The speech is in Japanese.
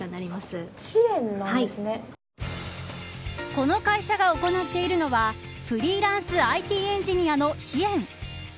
この会社が行っているのはフリーランスＩＴエンジニアの支援。